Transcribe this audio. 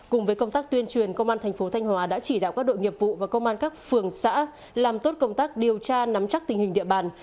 cùng với công tác tuyên truyền công an thành phố thanh hóa đã chỉ đạo các đội nghiệp vụ và công an các phường xã làm tốt công tác điều tra nắm chắc tình hình địa bàn